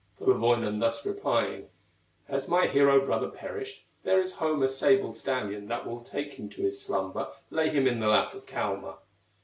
Kullerwoinen thus replying: "Has my hero brother perished, There is home a sable stallion That will take him to his slumber, Lay him in the lap of Kalma."